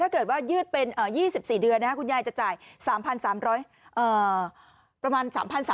ถ้าเกิดว่ายืดเป็น๒๔เดือนคุณยายจะจ่าย๓๓๐๐บาท